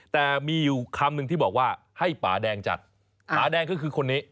แต่มีอยู่คำหนึ่งที่บอกว่าให้ป่าแดงจัดปาแดงก็คือคนนี้